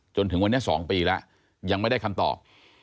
จนถึงวันนี้๒ปีแล้วยังไม่ได้คำตอบ